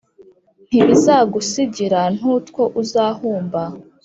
ntibizagusigira n’utwo uzahumba?